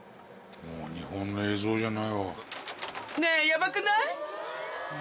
もう日本の映像じゃないわ。